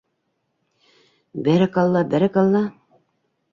— Бәрәкалла, бәрәкалла.